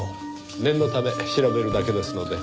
念のため調べるだけですので。